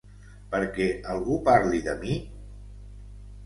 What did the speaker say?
Perquè algú parli de mi?